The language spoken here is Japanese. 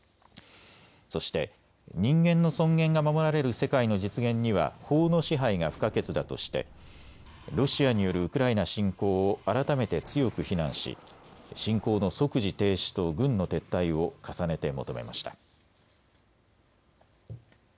そして人間の尊厳が守られる世界の実現には法の支配が不可欠だとしてロシアによるウクライナ侵攻を改めて強く非難し、侵攻の即時停止と軍の撤退を重ねて求めました。